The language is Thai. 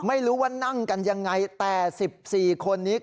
ไม่รู้ว่านั่งกันยังไงแต่๑๔คนนี้